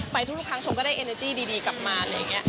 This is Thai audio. ทุกครั้งชมก็ได้เอเนอร์จี้ดีกลับมาอะไรอย่างนี้